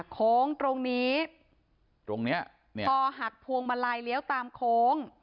โค้งตรงนี้ต่อหักพวงมาลัยเลี้ยวตามโค้ง